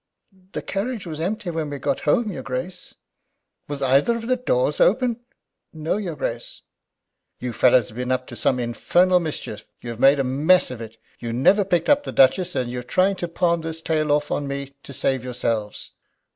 "The carriage was empty when we got home, your Grace." "Was either of the doors open?" "No, your Grace." "You fellows have been up to some infernal mischief. You have made a mess of it. You never picked up the Duchess, and you're trying to palm this tale off on to me to save yourselves."